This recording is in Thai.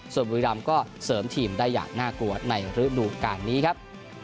ส่วนบุรีรำก็เสริมทีมได้อย่างน่ากลัวในฤดูการนี้ครับ